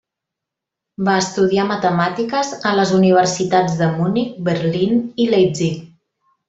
Va estudiar matemàtiques a les universitats de Munic, Berlín i Leipzig.